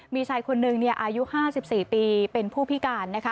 มีชายคนหนึ่งอายุ๕๔ปีเป็นผู้พิการ